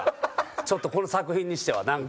ちょっとこの作品にしてはなんか。